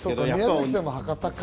宮崎さんも博多か？